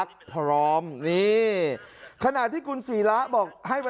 การเงินมันมีฝ่ายฮะ